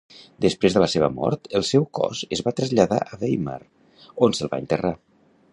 Després de la seva mort, el seu cos es va traslladar a Weimar, on se'l va enterrar.